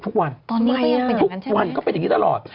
ไปต้องมาออกโคนส่งคอนเซิร์ต